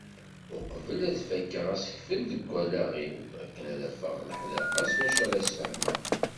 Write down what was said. Uqbel ad fakkeɣ asekfel deg wallaɣ-iw akken ad d-afeɣ leḥdaqa s wacu ara as-sfehmeɣ.